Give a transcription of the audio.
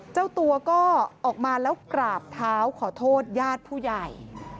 เจ้าตัวก็ออกมาแล้วกราบเท้าขอโทษญาติผู้ใหญ่